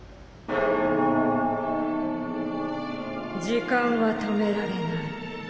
時間は止められない。